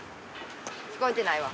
聞こえてないわ。